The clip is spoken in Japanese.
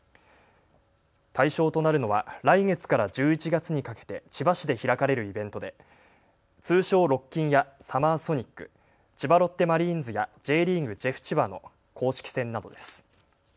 対象となるのは来月から１１月にかけて千葉市で開かれるイベントで通称、ロッキンやサマーソニック、千葉ロッテマリーンズやＪリーグ・ジェフ千葉の公式戦などです。